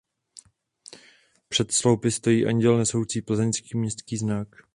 Před sloupy stojí anděl nesoucí plzeňský městský znak.